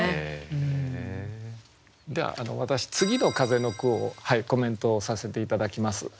では私「次の風」の句をコメントさせて頂きます。